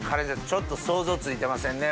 ちょっと想像ついてませんね